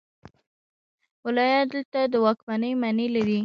ولایت دلته د واکمنۍ معنی لري.